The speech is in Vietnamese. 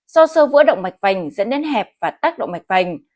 do sơ vỡ động mạch phành dẫn đến hẹp và tắt động mạch phành